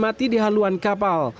mati di haluan kapal